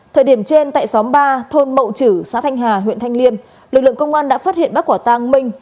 thời điểm trên tại xóm ba thôn mậu chử xã thanh hà huyện thanh liêm lực lượng công an đã phát hiện bắt quả tang minh